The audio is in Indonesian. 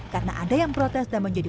karena ada yang protes dan menjadi